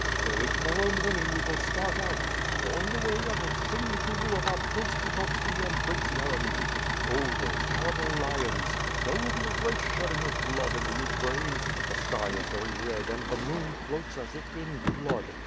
Early to morrow morn ing we will start, out, and on the way I will sing you about Prince Pototski and Prince Yeremy. Oh! those terrible lions! There will be a great shedding of blood in the Ukraine. The sky is very red and the moon floats as if in blood.